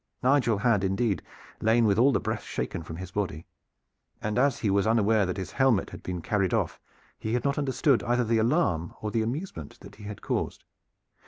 Nigel had indeed lain with all the breath shaken from his body, and as he was unaware that his helmet had been carried off, he had not understood either the alarm or the amusement that he had caused.